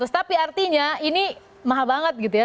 tapi artinya ini mahal banget gitu ya